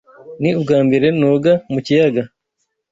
Ni ubwambere noga mu kiyaga.